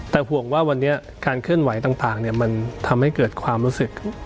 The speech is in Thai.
แต่ห่วงว่าวันนี้การเคลื่อนไหวต่างมันทำให้เกิดความรู้สึก